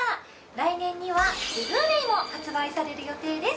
来年にはＢｌｕ−ｒａｙも発売される予定です。